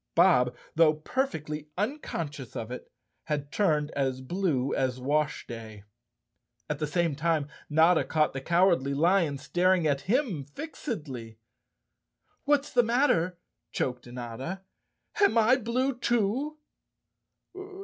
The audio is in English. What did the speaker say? Bob, though perfectly unconscious of it, had turned as blue as washday. At the same time Notta caught the Cowardly Lion staring at him fixedly. "What's the matter?" choked Notta. "Am I blue, too?"